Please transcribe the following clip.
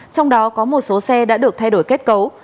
trong đó có một số xe đã được thay đổi kết cấu